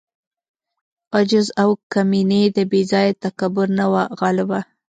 عجز او کمیني د بې ځای تکبر نه وه غالبه.